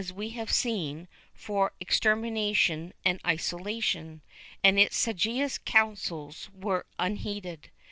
e have seen, for extermination and isolation, and its sagacious counsels were unheeded.